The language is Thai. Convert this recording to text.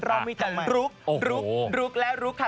รอมอีกต่อใหม่รุกและรุกค่ะ